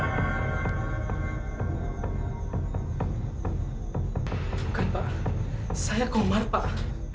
bukan pak saya komar pak